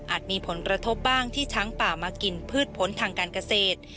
มีผลกระทบบ้างที่ช้างป่ามากินพืชผลทางการเกษตร